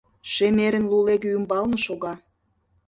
Шемерын лулеге ӱмбалне шога.